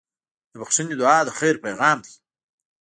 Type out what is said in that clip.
د بښنې دعا د خیر پیغام دی.